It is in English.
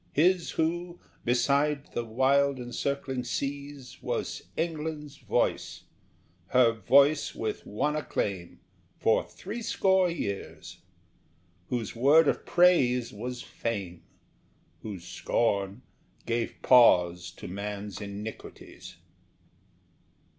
His who, beside the wild encircling seas, Was England's voice, her voice with one acclaim, For threescore years; whose word of praise was fame, Whose scorn gave pause to man's iniquities.